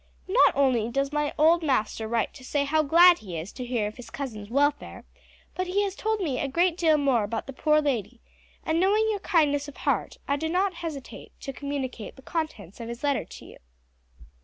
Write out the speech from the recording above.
Not only does my old master write to say how glad he is to hear of his cousin's welfare, but he has told me a great deal more about the poor lady, and knowing your kindness of heart I do not hesitate to communicate the contents of his letter to you.